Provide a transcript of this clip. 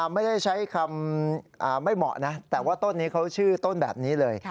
ไม่ได้ใช้คำไม่เหมาะนะแต่ว่าต้นนี้เขาชื่อต้นแบบนี้เลย